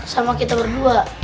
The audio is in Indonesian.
sama kita berdua